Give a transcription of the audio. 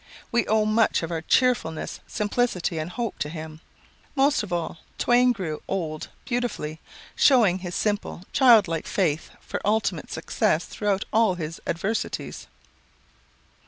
We owe much of our cheerfulness, simplicity, and hope to him. Most of all, Twain grew old beautifully, showing his simple, childlike faith for ultimate success throughout all his adversities."